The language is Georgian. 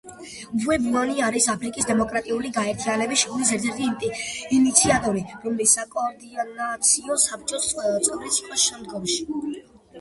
უფუე-ბუანი არის აფრიკის დემოკრატიული გაერთიანების შექმნის ერთ-ერთი ინიციატორი, რომლის საკოორდინაციო საბჭოს წევრიც იყო შემდგომში.